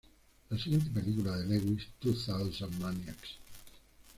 La siguiente película de Lewis, "Two Thousand Maniacs!